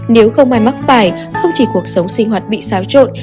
nếu không may mắc phải không chỉ cuộc sống sinh hoạt bị xáo trộn